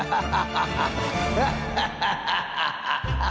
ハッハハハハ。